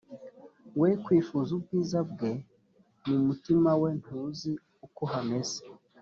we kwifuza ubwiza bwe mu mutima we ntuzi ukohameze.